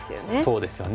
そうですよね。